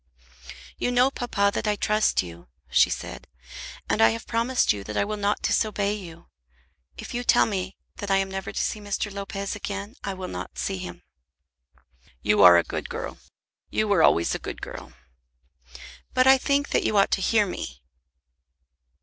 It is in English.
"You know, papa, that I trust you," she said. "And I have promised you that I will not disobey you. If you tell me that I am never to see Mr. Lopez again, I will not see him." "You are a good girl. You were always a good girl." "But I think that you ought to hear me."